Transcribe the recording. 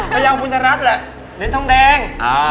พยาวคุณธรัฐแหละเหล็นทองแดง